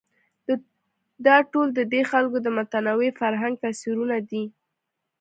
دا ټول ددې خلکو د متنوع فرهنګ تصویرونه دي.